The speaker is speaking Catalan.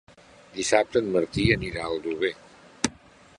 Dissabte en Martí anirà a Aldover.